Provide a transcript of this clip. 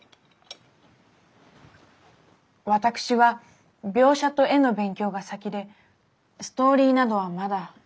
私は描写と絵の勉強が先でストーリーなどはまだ。